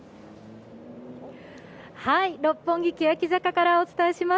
六本木・けやき坂からお伝えします。